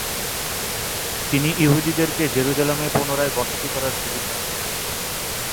তিনি ইহুদিদেরকে জেরুজালেমে পুনরায় বসতি করার সুযোগ দেন।